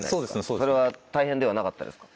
それは大変ではなかったですか？